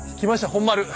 本丸。